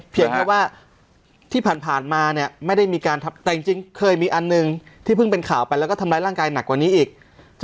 เพียงเพราะว่าที่ผ่านมาเนี่ย